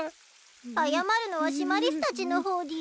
謝るのはシマリスたちの方でぃす。